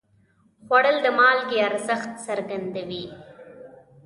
خوړل د مالګې ارزښت څرګندوي